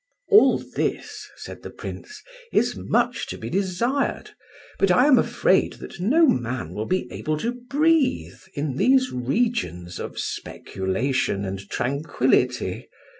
"All this," said the Prince, "is much to be desired, but I am afraid that no man will be able to breathe in these regions of speculation and tranquillity.